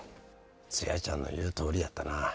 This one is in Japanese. ツヤちゃんの言うとおりやったな。